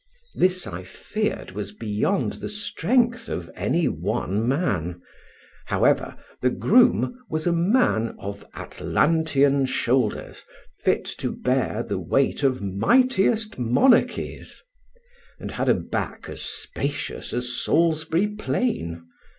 This I feared was beyond the strength of any one man; however, the groom was a man Of Atlantean shoulders, fit to bear The weight of mightiest monarchies; and had a back as spacious as Salisbury Plain.